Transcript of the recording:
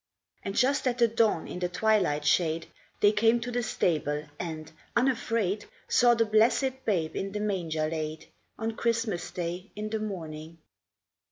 And just at the dawn in the twilight shade They came to the stable, and, unafraid, Saw the Blessed Babe in the manger laid On Christmas Day in the morning.